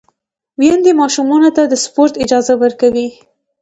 میندې ماشومانو ته د سپورت اجازه ورکوي۔